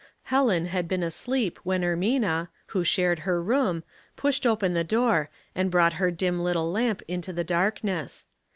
Helen had been asleep when Ermina, who shared her room, pushed open the door, and brought her dim little lamp into the darkness.